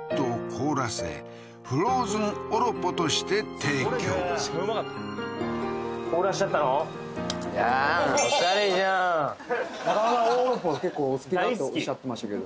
中間さんオロポ結構お好きだとおっしゃってましたけど